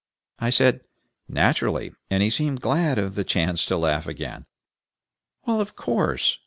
I said, "Naturally," and he seemed glad of the chance to laugh again. "Well, of course!